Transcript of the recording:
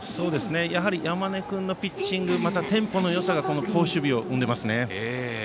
やはり山根君のピッチングテンポのよさがこの好守備を生んでいますね。